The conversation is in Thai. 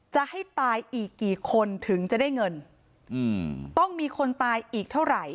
จะให้ตายอีกกี่คนถึงจะได้เงินต้องมีคนตายอีกเท่าไหร่